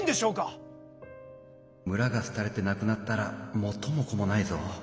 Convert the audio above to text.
心の声村がすたれてなくなったら元も子もないぞ。